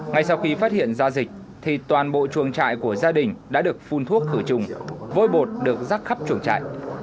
ngay sau khi phát hiện ra dịch thì toàn bộ chuồng trại của gia đình đã được phun thuốc khử trùng vôi bột được rắc khắp chuồng trại